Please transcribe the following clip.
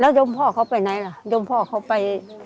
แล้วยอมพ่อเข้าไปไหนละยอมพ่อเข้าไป